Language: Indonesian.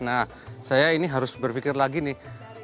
nah saya ini harus berpikir lagi nih